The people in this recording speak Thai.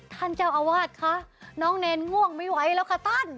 ท่านเจ้าอาวาสคะน้องเนรง่วงไม่ไหวแล้วค่ะท่าน